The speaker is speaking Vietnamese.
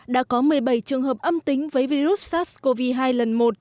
đã có một mươi bảy trường hợp âm tính với virus sars cov hai lần một